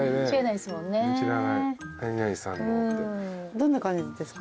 どんな感じですか？